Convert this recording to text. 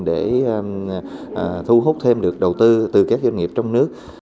để thu hút thêm được đầu tư từ các doanh nghiệp trong nước